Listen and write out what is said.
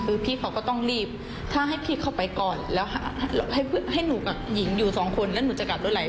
คือพี่เขาก็ต้องรีบถ้าให้พี่เข้าไปก่อนแล้วให้หนูกับหญิงอยู่สองคนแล้วหนูจะกลับรถอะไร